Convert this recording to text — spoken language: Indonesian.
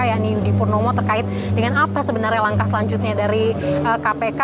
yani yudi purnomo terkait dengan apa sebenarnya langkah selanjutnya dari kpk